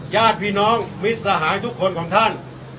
ญาติพี่น้องมิตรสหายทุกคนของท่าน